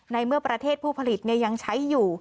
ในเมื่อประเทศผู้ผลิตยังใช้อยู่